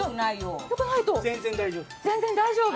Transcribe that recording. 全然大丈夫。